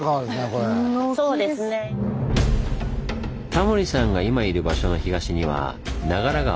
タモリさんが今いる場所の東には長良川。